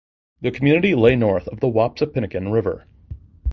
The community lay north of the Wapsipinicon River.